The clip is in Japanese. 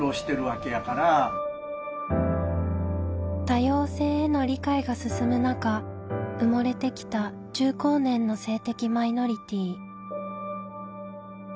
多様性への理解が進む中埋もれてきた中高年の性的マイノリティー。